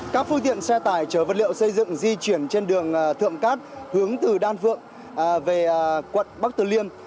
các phương tiện xe tải chở vật liệu xây dựng di chuyển trên đường thượng cát hướng từ đan phượng về quận bắc từ liêm